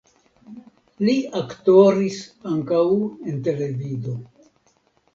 Li aktoris ankaŭ en televido.